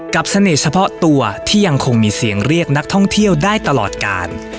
เสน่ห์เฉพาะตัวที่ยังคงมีเสียงเรียกนักท่องเที่ยวได้ตลอดกาล